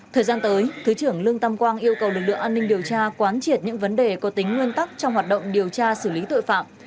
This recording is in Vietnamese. thời gian tới thứ trưởng lương tâm quang yêu cầu lực lượng an ninh điều tra quán triệt những vấn đề có tính nguyên tắc trong hoạt động điều tra xử lý tội phạm